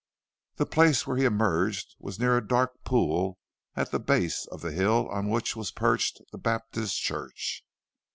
The place where he emerged was near a dark pool at the base of the hill on which was perched the Baptist church.